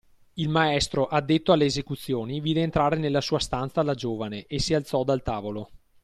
Il maestro addetto alle esecuzioni vide entrare nella sua stanza la giovane e si alzò dal tavolo.